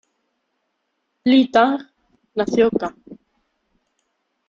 Li Tang nació ca.